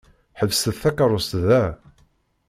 Ḥebset takeṛṛust da!